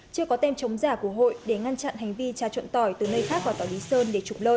chưa có tem chống giả của hội để ngăn chặn hành vi trà trộn tỏi từ nơi khác vào tòa lý sơn để trục lợi